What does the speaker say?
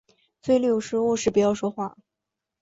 嘴里有食物时不要说话。